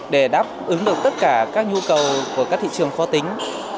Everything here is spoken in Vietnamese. để đáp ứng được tất cả các nhu cầu của các thị trường khó tính